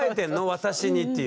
私にっていう。